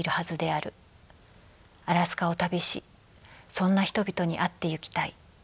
アラスカを旅しそんな人々に会ってゆきたい。